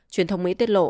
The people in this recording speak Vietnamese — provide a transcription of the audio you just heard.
truyền thông mỹ tiết lộ